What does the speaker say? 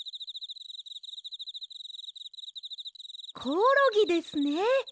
コオロギですね。